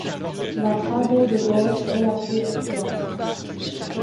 La travée de gauche est la plus étroite.